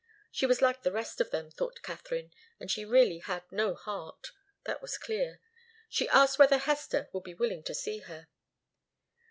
She was like the rest of them, thought Katharine, and she really had no heart. That was clear. She asked whether Hester would be willing to see her.